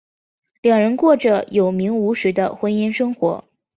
两人过着有名无实的婚姻生活。